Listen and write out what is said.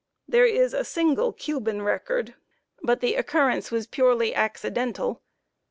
There is a single Cuban record, but the occurrence was purely accidental.